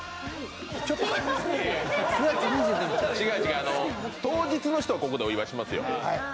「風をよむ」当日の人はここでお祝いしますよ。